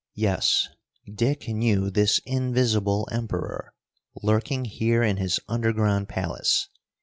Yes, Dick knew this Invisible Emperor, lurking here in his underground palace.